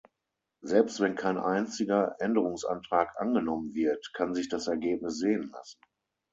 Selbst wenn kein einziger Änderungsantrag angenommen wird, kann sich das Ergebnis sehen lassen.